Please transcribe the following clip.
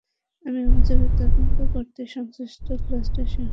আমি অভিযোগের তদন্ত করতে সংশ্লিষ্ট ক্লাস্টারের সহকারী শিক্ষা কর্মকর্তাকে দায়িত্ব দিয়েছি।